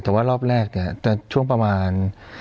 แต่ว่ารอบแรกช่วงประมาณ